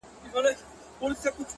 • اوس به چيري د زلميو څڼي غورځي,